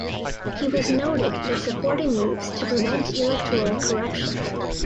He was noted for supporting moves to prevent electoral corruption.